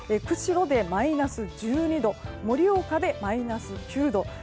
釧路でマイナス１２度盛岡でマイナス９度。